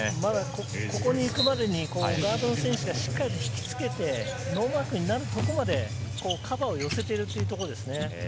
ここに行くまでにガードの選手が引きつけて、ノーマークになるところまでカバーを寄せているというところですね。